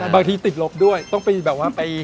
บางทีติดลบด้วยต้องไปแบบว่าไป